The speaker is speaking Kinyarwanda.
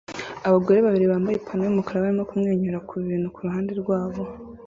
Abagore babiri bambaye ipantaro yumukara barimo kumwenyura kubintu kuruhande rwabo